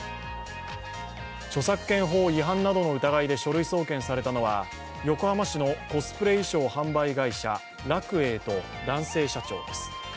著作権法違反などの疑いで書類送検されたのは横浜市のコスプレ衣装販売会社楽栄と男性社長です。